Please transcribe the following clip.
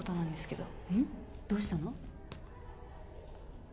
どうしたの？